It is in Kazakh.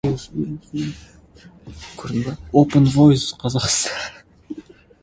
Ер азамат белгісі — түзде мырза, үйде құл.